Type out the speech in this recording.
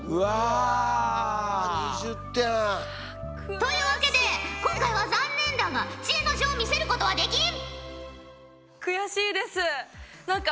というわけで今回は残念だが知恵の書を見せることはできん！